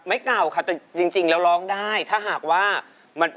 เก่าค่ะแต่จริงแล้วร้องได้ถ้าหากว่ามัน